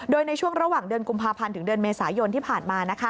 โดยในช่วงระหว่างเดือนกุมภาพันธ์ถึงเดือนเมษายนที่ผ่านมา